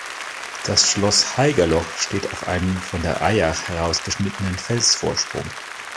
Das Schloss Haigerloch steht auf einem von der Eyach herausgeschnittenen Felsvorsprung.